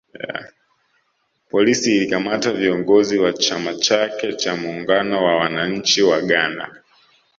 Polisi ilikamata viongozi wa chama cha chake cha muungano wa wananchi wa Ghana